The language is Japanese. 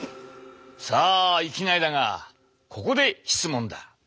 さあいきなりだがここで質問だ。